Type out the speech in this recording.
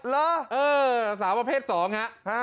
หรือเออสาวประเภท๒ครับ